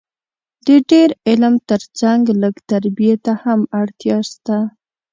د ډېر علم تر څنګ لږ تربیې ته هم اړتیا سته